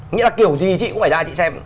nghĩa là kiểu gì chị cũng phải ra chị xem